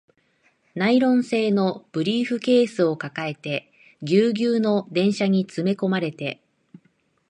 ナイロン製のブリーフケースを抱えて、ギュウギュウの電車に詰め込まれて